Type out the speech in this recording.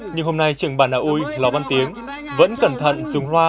nhưng hôm nay trường bản đà ui ló văn tiếng vẫn cẩn thận dùng loa